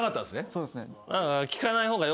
そうですね。